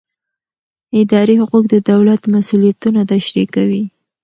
اداري حقوق د دولت مسوولیتونه تشریح کوي.